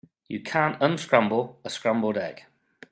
You can't unscramble a scrambled egg.